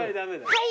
はい。